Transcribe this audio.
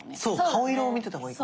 顔色を見てた方がいい。